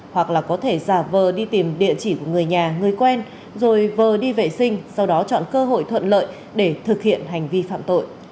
hoặc là có thể giả vờ đi tìm địa chỉ của người nhà người quen rồi vờ đi vệ sinh sau đó chọn cơ hội thuận lợi để thực hiện hành vi phạm tội